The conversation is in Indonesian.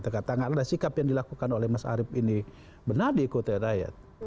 karena sikap yang dilakukan oleh mas arief ini benar diikuti rakyat